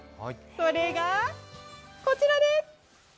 それが、こちらです。